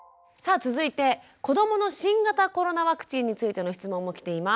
続いて子どもの新型コロナワクチンについての質問も来ています。